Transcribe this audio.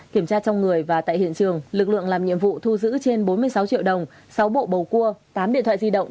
kiểm tra trong người và tại hiện trường lực lượng làm nhiệm vụ thu giữ trên bốn mươi sáu triệu đồng sáu bộ bầu cua tám điện thoại di động